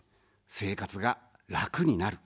生活が楽になる。